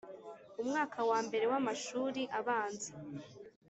umwaka wa mberew’amashuri abanza